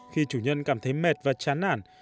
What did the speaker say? khi chủ nhân cảm thấy mệt và chán nản